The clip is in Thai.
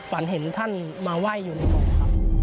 ฝันเห็นท่านมาไหว้อยู่ในหลวงครับ